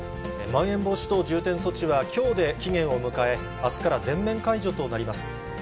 まん延防止等重点措置はきょうで期限を迎え、あすから全面解除となります。